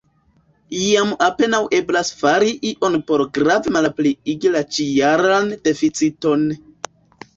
Jam apenaŭ eblas fari ion por grave malpliigi la ĉi-jaran deficiton.